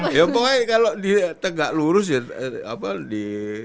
pokoknya kalau di tegak lurus ya di